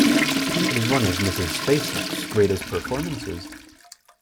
It is one of Ms. Spacek's greatest performances.